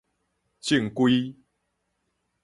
正規